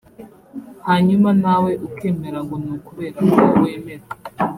Hanyuma nawe ukemera ngo ni ukubera ko wemera